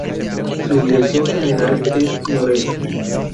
Su dirección general es noreste.